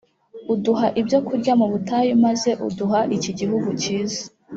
uduha ibyo kurya mu butayu maze uduha iki gihugu cyiza